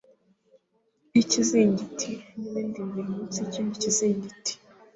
y ikizingiti n ibindi bibiri munsi y ikindi kizingiti